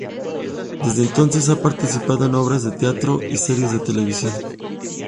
Desde entonces ha participado en obras de teatro y series de televisión.